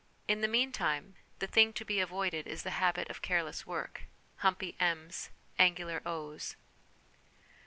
In the meantime, the thing to be avoided is the habit of careless work humpy m's, angular o's.